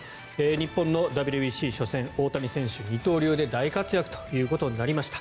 日本のＷＢＣ初戦大谷選手、二刀流で大活躍ということになりました。